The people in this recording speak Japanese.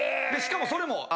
しかもそれも。